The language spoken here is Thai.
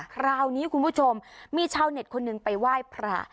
คราวนี้คุณผู้ชมมีชาวเน็ตคนหนึ่งไปไหว้พระ